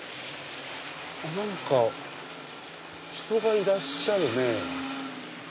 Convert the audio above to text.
何か人がいらっしゃるね。